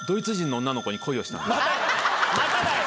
まただよ！